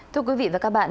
thưa quý vị và các bạn